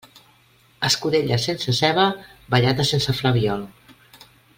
Escudella sense ceba, ballada sense flabiol.